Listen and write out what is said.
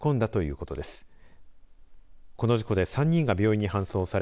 この事故で３人が病院に搬送され